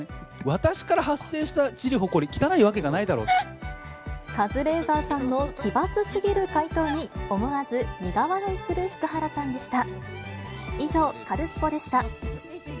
私から発生したちり、ほこり、カズレーザーさんの奇抜すぎる回答に、思わず苦笑いする福原さんでした。